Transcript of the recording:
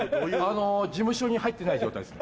事務所に入ってない状態ですね。